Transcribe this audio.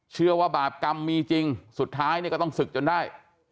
เชื่อว่าบาปกรรมมีจริงสุดท้ายเนี่ยก็ต้องศึกจนได้